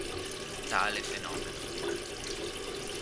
Tale fenomeno.